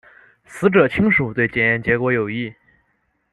死者亲属对检验结果有异。